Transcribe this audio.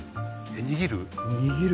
握る？